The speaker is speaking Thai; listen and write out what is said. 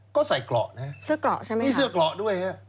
ก็ใส่กล่อมีเสื้อกล่อด้วย